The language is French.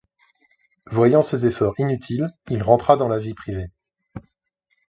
Voyant ses efforts inutiles, il rentra dans la vie privée.